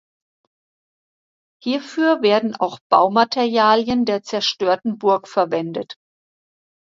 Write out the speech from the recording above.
Hierfür werden auch Baumaterialien der zerstörten Burg verwendet.